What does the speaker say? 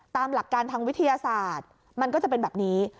ตามหลักการทางวิทยาศาสตร์มันก็จะเป็นแบบนี้